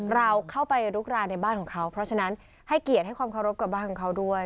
เราเข้าไปลุกรานในบ้านของเขาเพราะฉะนั้นให้เกียรติให้ความเคารพกับบ้านของเขาด้วย